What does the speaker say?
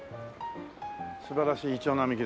素晴らしいイチョウ並木ですね。